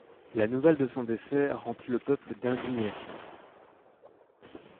La nouvelle de son décès remplit le peuple d’indignation.